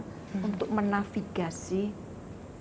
bahwa negara negara dari the global south negara berkembang